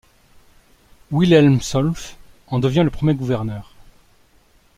Wilhelm Solf en devient le premier gouverneur.